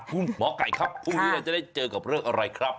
พุ่งหมอไก่ครับคราวนี้ยังจะได้เจอกับเรื่องอะไรครับ